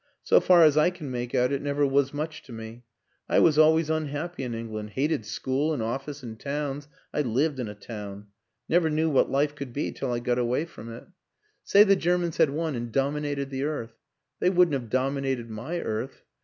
So far as I can make out it never was much to me ; I was always unhappy in England, hated school and of fice and towns I lived in a town. Never knew what life could be till I got away from it. Say WILLIAM AN ENGLISHMAN 257 the Germans had won and dominated the earth ! .They wouldn't have dominated my earth.